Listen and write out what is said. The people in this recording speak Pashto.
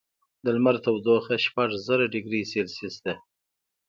د لمر تودوخه شپږ زره ډګري سیلسیس ده.